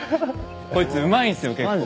こいつうまいんすよ結構。